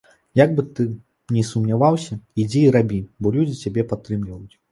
Як бы ты ні сумняваўся, ідзі і рабі, бо людзі цябе падтрымліваюць.